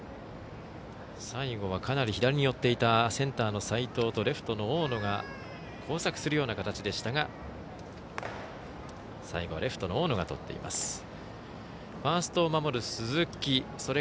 最後は、かなり左に寄っていたセンターの齋藤とレフトの大野が交錯するような形でしたが最後はレフトの大野がとっています。